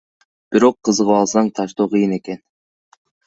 Бирок кызыгып алсаң таштоо кыйын экен.